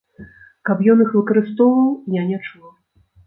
Каб ён іх выкарыстоўваў, я не чула.